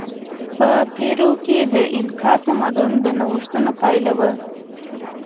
په پیرو کې د اینکا تمدن د نوښتونو پایله وه.